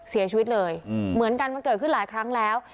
เสียชีวิตเลยเหมือนกันมันเกิดขึ้นหลายครั้งแล้ว